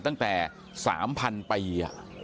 ตั้งแต่๓๐๐๐ปี